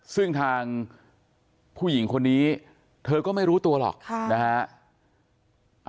ซึ่งทางผู้หญิงคนนี้เธอก็ไม่รู้ตัวหรอกนะฮะ